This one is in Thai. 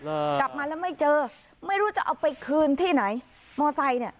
กลับมาแล้วไม่เจอไม่รู้จะเอาไปคืนที่ไหนมอไซค์เนี่ย